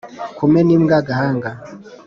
kamena imbwa agahanga